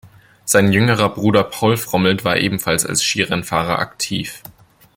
Sein jüngerer Bruder Paul Frommelt war ebenfalls als Skirennfahrer aktiv.